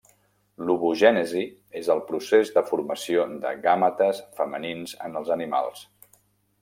L'ovogènesi és el procés de formació de gàmetes femenins en els animals.